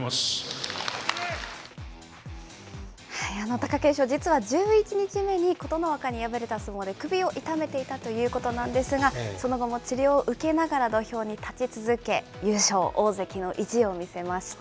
貴景勝、実は１１日目に、琴ノ若に敗れた相撲で首を痛めていたということなんですが、その後も治療を受けながら、土俵に立ち続け、優勝、大関の意地を見せました。